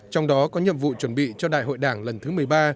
trong đó có nhiệm vụ chuẩn bị cho đại hội đảng lần thứ một mươi ba